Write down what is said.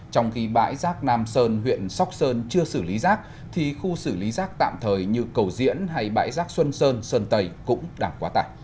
trong khi bãi rác nam sơn huyện sóc sơn chưa xử lý rác thì khu xử lý rác tạm thời như cầu diễn hay bãi rác xuân sơn sơn tây cũng đang quá tải